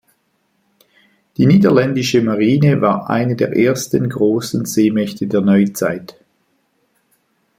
Die niederländische Marine war eine der ersten großen Seemächte der Neuzeit.